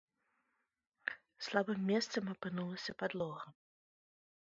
Слабым месцам апынулася падлога.